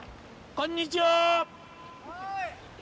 こんにちは！